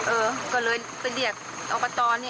เออก็เลยไปเรียกออกมาตอนนี้